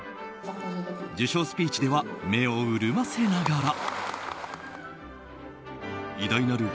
受賞スピーチでは目を潤ませながら。